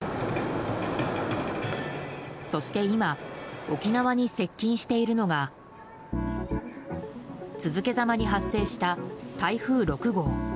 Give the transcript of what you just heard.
そして今、沖縄に接近しているのが続けざまに発生した台風６号。